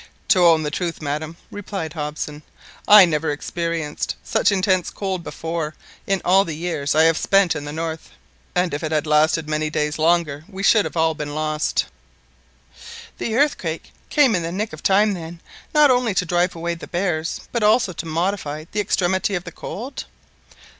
"To own the truth, madam," replied Hobson, "I never experienced such intense cold before, in all the years I have spent in the north; and if it had lasted many days longer we should all have been lost." "The earthquake came in the nick of time then, not only to drive away the bears, but also to modify the extremity of the cold?"